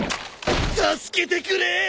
助けてくれ。